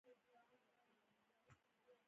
بله ټولنه له زده کړو سره کار لري.